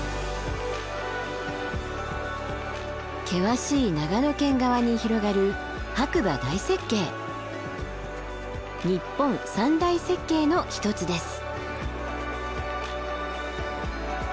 険しい長野県側に広がる日本三大雪渓の一つです。